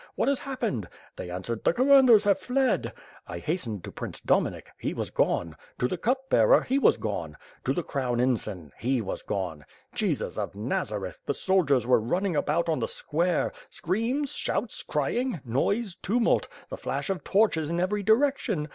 What has happened? They answered 'the commanders have fled!' I hastened to Prince Dominik, he was gone; to the cup bearer — ^he was gone; to the crown ensign — he was gone. Jesus of Nazareth! the soldiers were running about on the square; screams, shouts, crying, noise, tumult, the flash of torches in every direction.